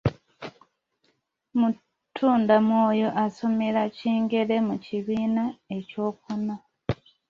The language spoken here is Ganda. Mutundamwoyo asomera Kingere mu kibiina ekyokuna.